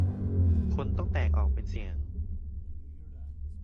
คนต้องแตกออกเป็นเสี่ยง